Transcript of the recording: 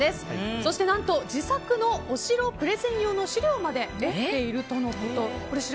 そして、自作のお城プレゼン用の資料まで持っているとのこと。